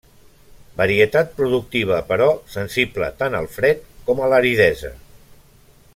Varietat productiva però sensible tant al fred com a l'aridesa.